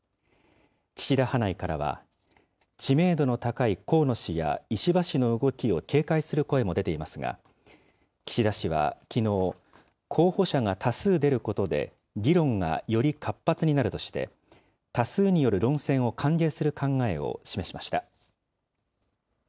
岸田派内からは、知名度の高い河野氏や石破氏の動きを警戒する声も出ていますが、岸田氏はきのう、候補者が多数出ることで、議論がより活発になるとして、多数による論戦を歓迎する考えを示しました。